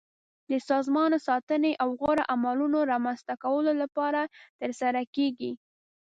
د سازمان ساتنې او غوره عملونو رامنځته کولو لپاره ترسره کیږي.